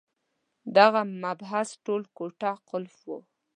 دغه محبس ټول کوټه قلف وو.